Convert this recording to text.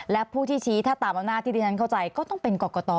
และผู้ที่ชี้ถ้าตามอำนาจที่ที่ฉันเข้าใจก็ต้องเป็นกรกต